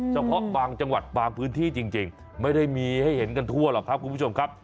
เฉพาะบางจังหวัดบางพื้นที่จริงไม่ได้มีให้เห็นกันทั่วหรอกครับคุณผู้ชมครับ